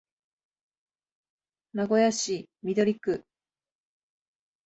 名古屋市緑区